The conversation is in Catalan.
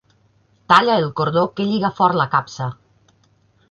Talla el cordó que lliga fort la capsa.